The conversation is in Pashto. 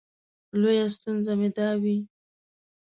لویه ستونزه مې دا وي.